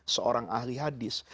seorang ahli hadis